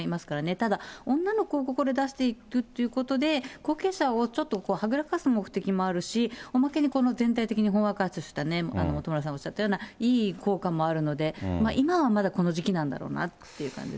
ただ、女の子をここで出しているっていうことで、後継者をちょっとはぐらかす目的もあるし、おまけに全体的にほんわかとした、本村さんがおっしゃったいい効果もあるので、今はまだこの時期なんだろうなっていう感じですね。